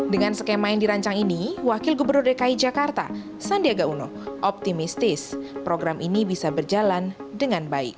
dengan skema yang dirancang ini wakil gubernur dki jakarta sandiaga uno optimistis program ini bisa berjalan dengan baik